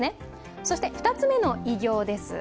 そして２つ目の偉業です。